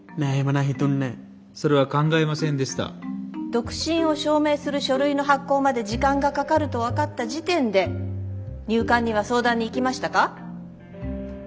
独身を証明する書類の発行まで時間がかかると分かった時点で入管には相談に行きましたか？